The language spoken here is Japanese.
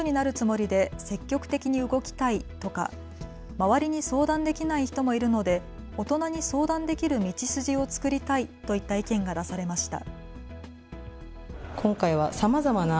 子どもたちからは悩んでいる人がいたら自分が相談所になるつもりで積極的に動きたいとか周りに相談できない人もいるので大人に相談できる道筋を作りたいといった意見が出されました。